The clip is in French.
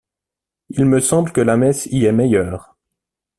Il me semble que la messe y est meilleure.